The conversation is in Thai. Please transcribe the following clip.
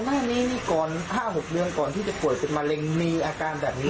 หน้านี้มี๕๖เรื่องที่จะช่วยป่วยเจ็บมะเร็งมีอาการแบบนี้